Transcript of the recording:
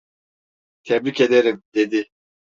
"Tebrik ederim!" dedi.